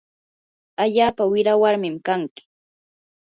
allaapa wira warmin kanki.